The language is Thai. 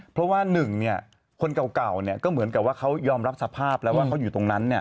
เพราะว่า๑คนเก่าก็เหมือนกับว่าเขายอมรับสภาพแล้วว่าเขาอยู่ตรงนั้น